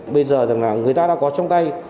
bây giờ rằng là người ta đã có trong tay